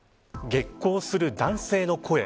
激高する男性の声。